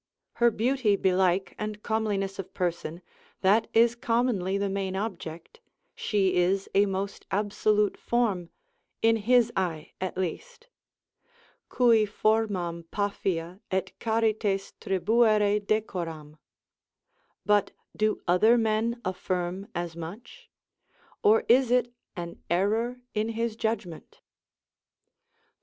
Her beauty belike, and comeliness of person, that is commonly the main object, she is a most absolute form, in his eye at least, Cui formam Paphia, et Charites tribuere decoram; but do other men affirm as much? or is it an error in his judgment.